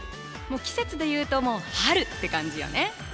季節で言うともう春って感じよね。